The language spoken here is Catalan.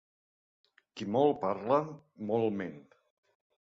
Qui molt parla, molt ment.